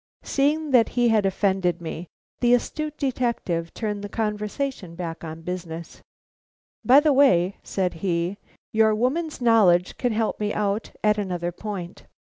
Seeing that he had offended me, the astute detective turned the conversation back to business. "By the way," said he, "your woman's knowledge can help me out at another point.